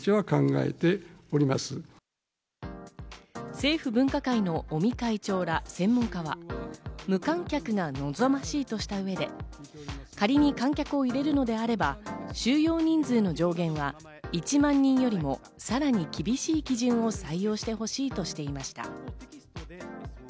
政府分科会の尾身会長ら専門家は、無観客が望ましいとした上で仮に観客を入れるのであれば、収容人数の上限は１万人よりもさらに厳しい基準を採用してほしいとしていました。